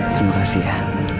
terima kasih ya